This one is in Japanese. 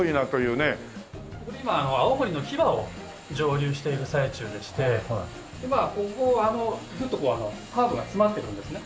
これ今青森のヒバを蒸留している最中でしてまあここあのグッとハーブが詰まっているんですね。